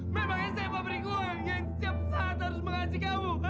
memangnya saya mau beri uang yang cepat harus menghati kamu ha